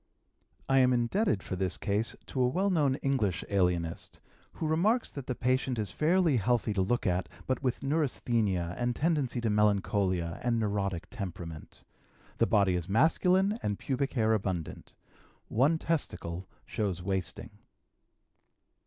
I am indebted for this case to a well known English alienist, who remarks that the patient is fairly healthy to look at, but with neurasthenia and tendency to melancholia, and neurotic temperament. The body is masculine and pubic hair abundant. One testicle shows wasting.